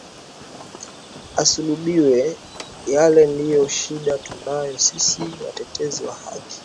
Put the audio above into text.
asulubiwe yale ndio shinda tunayo sisi watetezi wa haki